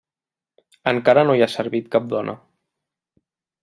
Encara no hi ha servit cap dona.